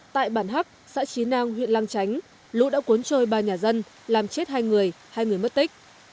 tại bản hắc xã trí nang huyện lăng chánh lũ đã cuốn trôi ba nhà dân làm chết hai người hai người mất tích